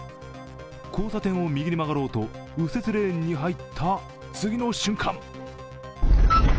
交差点を右に曲がろうと右折レーンに入った次の瞬間。